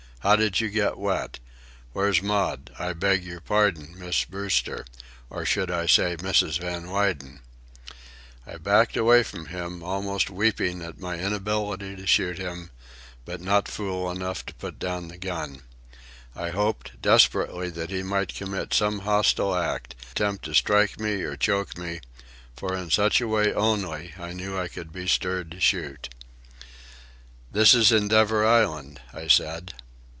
How did you get wet? Where's Maud?—I beg your pardon, Miss Brewster—or should I say, 'Mrs. Van Weyden'?" I had backed away from him, almost weeping at my inability to shoot him, but not fool enough to put down the gun. I hoped, desperately, that he might commit some hostile act, attempt to strike me or choke me; for in such way only I knew I could be stirred to shoot. "This is Endeavour Island," I said.